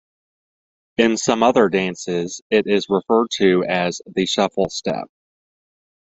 In some other dances it is referred to as the shuffle step.